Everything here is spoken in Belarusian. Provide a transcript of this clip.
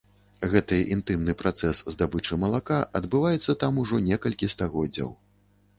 Гэты інтымны працэс здабычы малака адбываецца там ужо некалькі стагоддзяў.